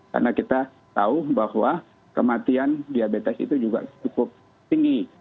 karena kita tahu bahwa kematian diabetes itu juga cukup tinggi